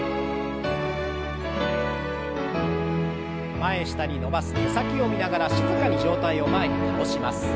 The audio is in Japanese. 前下に伸ばす手先を見ながら静かに上体を前に倒します。